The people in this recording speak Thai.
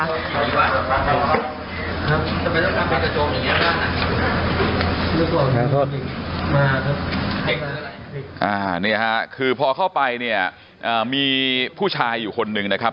นี่ค่ะคือพอเข้าไปเนี่ยมีผู้ชายอยู่คนหนึ่งนะครับ